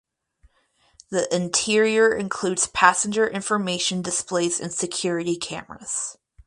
The interior includes passenger information displays and security cameras.